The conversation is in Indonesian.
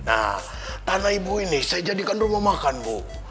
nah tanah ibu ini saya jadikan rumah makan bu